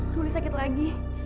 ibu ruli sakit lagi